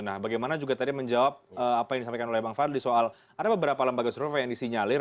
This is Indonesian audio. nah bagaimana juga tadi menjawab apa yang disampaikan oleh bang fadli soal ada beberapa lembaga survei yang disinyalir